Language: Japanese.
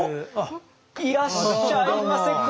あっいらっしゃいませ！